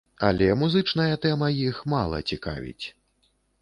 Але музычная тэма іх мала цікавіць.